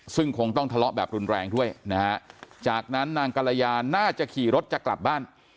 ซึ่งคงต้องทะเลาะแบบรุนแรงด้วยนะฮะจากนั้นนางกรยาน่าจะขี่รถจะกลับบ้าน